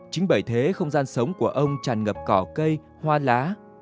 chính bởi thế không gian sống của ông tràn ngập cỏ cây hoa lá